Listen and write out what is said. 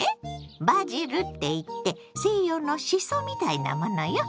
バジルって言って西洋のシソみたいなものよ。